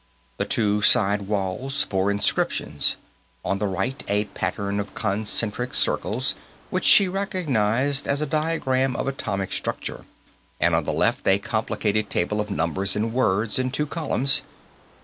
The two side walls bore inscriptions: on the right, a pattern of concentric circles which she recognized as a diagram of atomic structure, and on the left a complicated table of numbers and words, in two columns.